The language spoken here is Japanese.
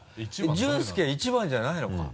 淳介一番じゃないのか？